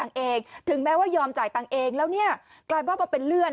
เงินเองถึงแม้ว่ายอมจ่ายเงินเองแล้วเนี่ยกลายมาเป็นเลื่อน